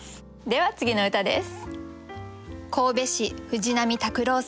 では次の歌です。